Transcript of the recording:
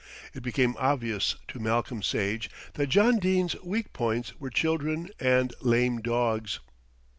It became obvious to Malcolm Sage that John Dene's weak points were children and "lame dogs."